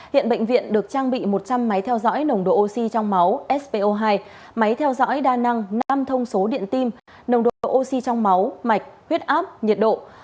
hiện bệnh viện được trang bị một trăm linh máy theo dõi nồng độ oxy trong máu sbo hai máy theo dõi đa năng năm thông số điện tim nồng độ oxy trong máu mạch huyết áp nhiệt độ